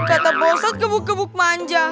kata boset kebuk kebuk manja